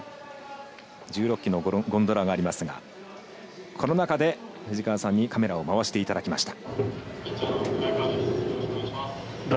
１６機のゴンドラがありますがこの中で、藤川さんにカメラを回してもらいました。